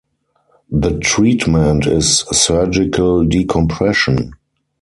The treatment is surgical decompression.